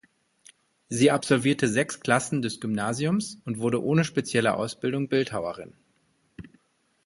Sie absolvierte sechs Klassen des Gymnasiums und wurde ohne spezielle Ausbildung Bildhauerin.